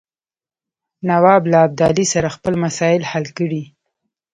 نواب له ابدالي سره خپل مسایل حل کړي.